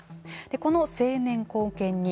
この成年後見人